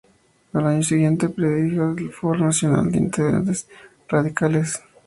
Al año siguiente presidió el Foro Nacional de Intendentes Radicales.